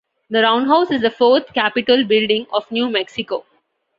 The Roundhouse is the fourth Capitol building of New Mexico.